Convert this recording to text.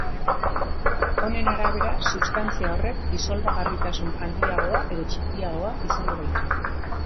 Honen arabera substantzia horrek disolbagarritasun handiagoa edo txikiagoa izango baitu.